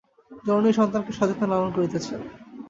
জননী সন্তানকে সযত্নে লালন করিতেছেন।